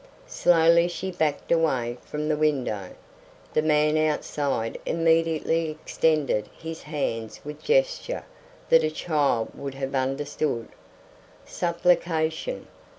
Slowly she backed away from the window. The man outside immediately extended his hands with a gesture that a child would have understood. Supplication.